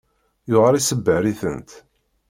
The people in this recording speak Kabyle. Yuɣal isebbeṛ-itent.